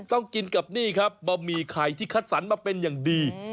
ต้องกินกับนี่ครับบะหมี่ไข่ที่คัดสรรมาเป็นอย่างดี